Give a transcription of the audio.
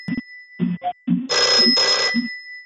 Ume bat harekin ikasiko du lanbidea.